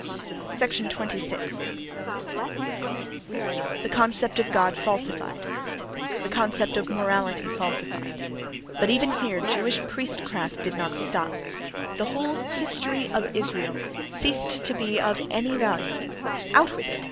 26. The concept of god falsified; the concept of morality falsified;—but even here Jewish priest craft did not stop. The whole history of Israel ceased to be of any value: out with it!